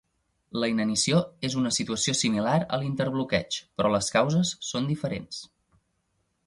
La inanició és una situació similar a l'interbloqueig, però les causes són diferents.